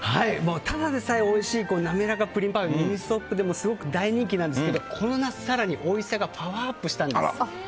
ただでさえおいしいなめらかプリンパフェがミニストップでもすごく大人気なんですけどこれが更においしさがこの夏パワーアップしたんです。